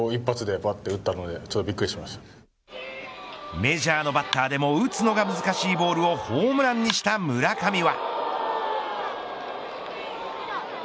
メジャーのバッターでも打つのが難しいボールをホームランにした村上は。